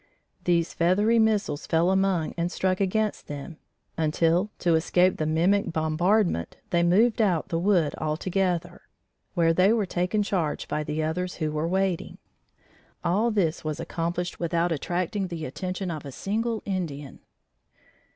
These feathery missiles fell among and struck against them, until, to escape the mimic bombardment they moved out the wood altogether, where they were taken charge by the others who were waiting. All this was accomplished without attracting the attention of a single Indian.